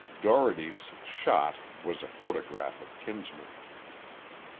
Dougherty's "shot" was a photograph of Kinsman.